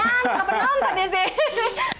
nggak pernah nonton ya sih